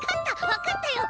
わかったよ！